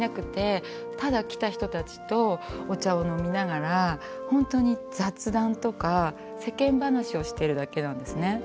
ただ来た人たちとお茶を飲みながら本当に雑談とか世間話をしてるだけなんですね。